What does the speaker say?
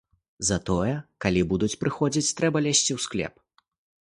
Затое, калі будуць прыходзіць, трэба лезці ў склеп.